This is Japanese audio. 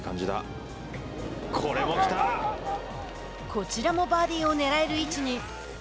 こちらもバーディーをねらえる位置に。